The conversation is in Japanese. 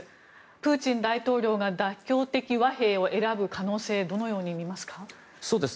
プーチン大統領が妥協的和平を選ぶ可能性どのように見ますか？